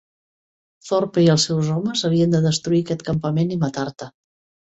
Thorpe i els seus homes havien de destruir aquest campament i matar-te.